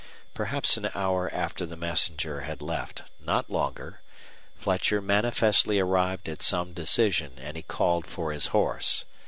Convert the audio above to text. Perhaps an hour after the messenger had left, not longer, Fletcher manifestly arrived at some decision, and he called for his horse.